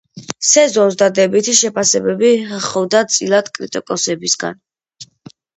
სეზონს დადებითი შეფასებები ჰხვდა წილად კრიტიკოსებისგან.